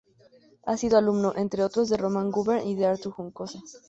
Ha sido alumno, entre otros, de Román Gubern y de Artur Juncosa.